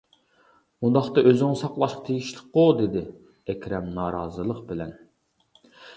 -ئۇنداقتا ئۆزۈڭ ساقلاشقا تېگىشلىكقۇ دېدى، -ئەكرەم نارازىلىق بىلەن.